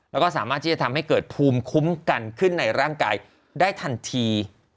แล้วก็สามารถที่จะทำให้เกิดภูมิคุ้มกันขึ้นในร่างกายได้ทันที